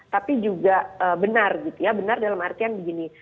tapi juga benar gitu ya benar dalam artian begini